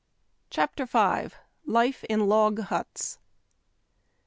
CHAPTER V. LIFE IN LOG HUTS.